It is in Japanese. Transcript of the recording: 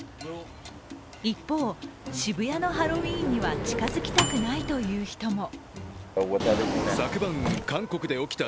一方、渋谷のハロウィーンには近づきたくないという人も。